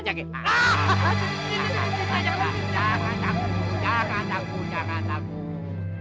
jangan takut jangan takut jangan takut